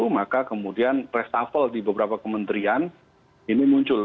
maka kemudian reshuffle di beberapa kementerian ini muncul